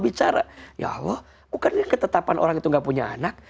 bicara ya allah bukan ketetapan orang itu gak punya anak